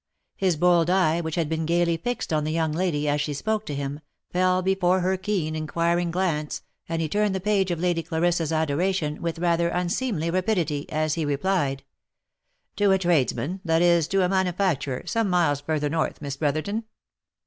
His bold eye, which had been gaily fixed on the young lady, as she spoke to him, fell before her keen, inquiring glance, and he turned the page of Lady Clarissa's adoration with rather unseemly rapidity, as he replied, "To a tradesman — that is, to a manufacturer, some miles further north, Miss Brotherton.